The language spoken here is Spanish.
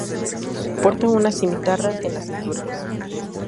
Porta una cimitarra en la cintura.